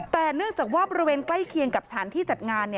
แต่เนื่องจากว่าบริเวณใกล้เคียงกับสถานที่จัดงาน